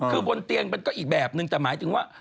คือบนเตียงมันก็อีกแบบนึงแต่หมายถึงว่า